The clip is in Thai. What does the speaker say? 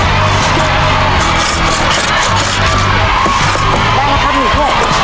ยกมือเตะครับ